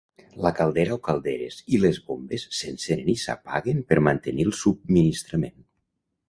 La caldera o calderes i les bombes s'encenen i s'apaguen per mantenir el subministrament.